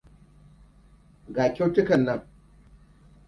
Ga kyautukan anan.